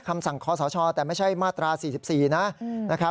คำสั่งคอสชแต่ไม่ใช่มาตรา๔๔นะครับ